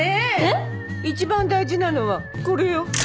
一番大事なのはこれよ。